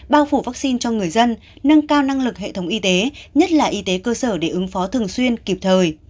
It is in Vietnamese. bao phủ vaccine cho người dân nâng cao năng lực hệ thống y tế nhất là y tế cơ sở để ứng phó thường xuyên kịp thời